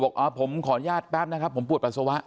ผมขออนุญาตแป๊บนะครับผมปวดปัสสาวะ